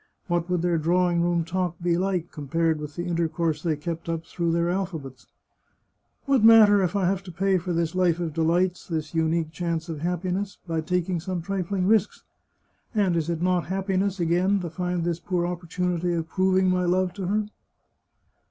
What would their drawing room talk be like, compared with the intercourse they kept up through their alphabets ?" What matter if I have to pay for this life of delights, this unique chance of happiness, by taking some trifling risks? And is it not happiness, again, to find this poor opportunity of proving my love to her